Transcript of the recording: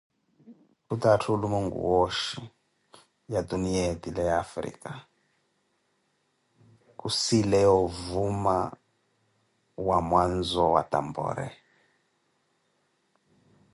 Khuta atthu olumweeku wooxhi, ya tuniya etile ya wafrika, khusileya ovuma wamwaazo watamboori.